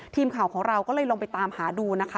ทีมข่าวของเราก็เลยลองไปตามหาดูนะคะ